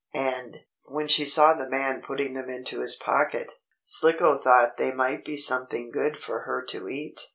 And, when she saw the man putting them into his pocket, Slicko thought they might be something good for her to eat.